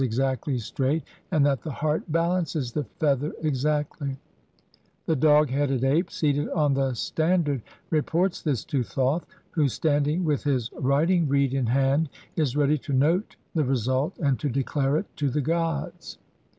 exactly straight and that the heart balances the fea ther exactly; the dog headed ape seated on the stand ard reports this to Thoth, who, standing with his writing reed in hand, is ready to note the result and to declare it to the gods.